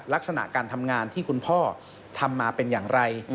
ลักษณะการทำงานที่คุณพ่อทำมาเป็นอย่างไร